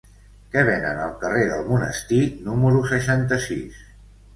Què venen al carrer del Monestir número seixanta-sis?